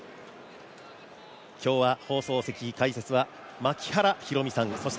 今日は放送席解説は槙原寛己さんです。